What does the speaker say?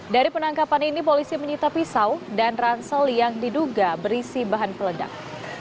dari penangkapan ini polisi menyita pisau dan ransel yang diduga berisi bahan peledak